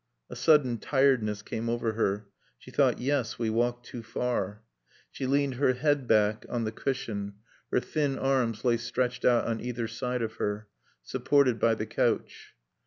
A sudden tiredness came over her. She thought, "Yes. We walked too far." She leaned her head back on the cushion. Her thin arms lay stretched out on either side of her, supported by the couch.